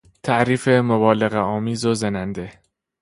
تعریف مبالغه آمیز و زننده